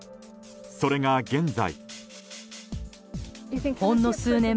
それが現在。